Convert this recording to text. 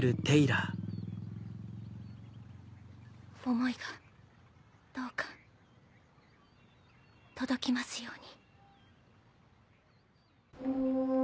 思いがどうか届きますように。